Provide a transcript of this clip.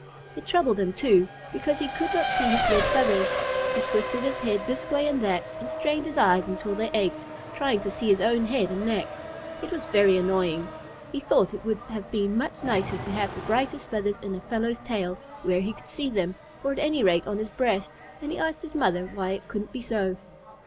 It troubled him, too, because he could not see his red feathers. He twisted his head this way and that, and strained his eyes until they ached, trying to see his own head and neck. It was very annoying. He thought it would have been much nicer to have the brightest feathers in a fellow's tail, where he could see them, or at any rate on his breast; and he asked his mother why it couldn't be so.